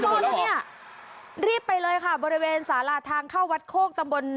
ทุบมอลเนี่ยรีบไปเลยขาบบริเวณสารทางเข้าวัดโคกตำบลไม้